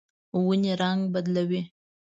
ونې رڼګ بدلوي